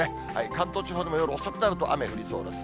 関東地方でも夜遅くなると、雨が降りそうです。